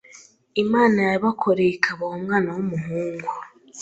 Imana yabakoreye ikabaha umwana w’umuhungu